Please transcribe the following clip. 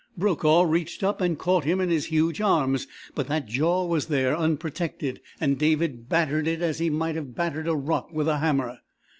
Brokaw reached up and caught him in his huge arms, but that jaw was there, unprotected, and David battered it as he might have battered a rock with a hammer.